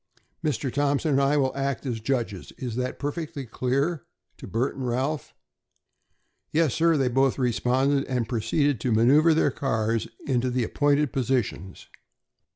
Mr. Thompson and I will act as judges. Is that perfectly clear?" to Bert and Ralph. "Yes, sir," they both responded, and proceeded to manoeuvre their cars into the appointed positions.